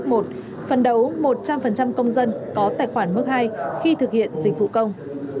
phần đấu một trăm linh công dân có tài khoản mức hai khi thực hiện dịch vụ công